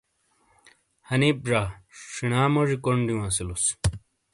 حنیپ زا ،شیناموجی کونڈ دِیوں اَسِیلوس۔